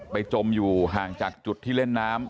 จมอยู่ห่างจากจุดที่เล่นน้ำ